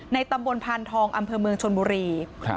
ตำบลพานทองอำเภอเมืองชนบุรี